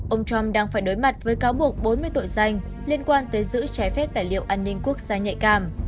ông trump đang phải đối mặt với cáo buộc bốn mươi tội danh liên quan tới giữ trái phép tài liệu an ninh quốc gia nhạy cảm